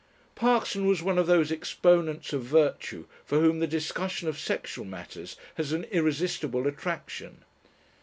Parkson was one of those exponents of virtue for whom the discussion of sexual matters has an irresistible attraction.